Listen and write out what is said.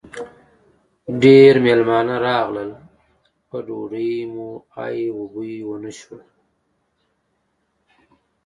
ډېر مېلمانه راغلل؛ په ډوډۍ مو ای و بوی و نه شو.